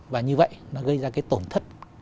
và như vậy nó gây ra cái tổn thất